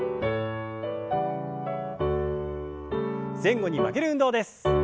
前後に曲げる運動です。